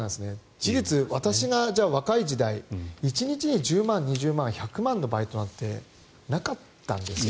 事実、私が若い時代１日に１０万、２０万１００万円のバイトなんてなかったんですよ。